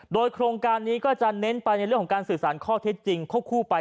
โดยโครงการนี้ก็จะเน้นไปในเรื่องของการสื่อสารข้อเท็จจริงควบคู่ไป